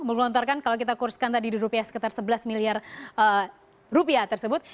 melontarkan kalau kita kurskan tadi di rupiah sekitar sebelas miliar rupiah tersebut